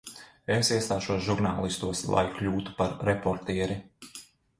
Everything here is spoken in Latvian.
Es iestāšos žurnālistos, lai kļūtu par reportieri.